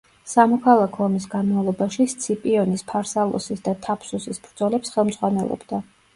სამოქალაქო ომის განმავლობაში სციპიონის ფარსალოსის და თაფსუსის ბრძოლებს ხელმძღვანელობდა.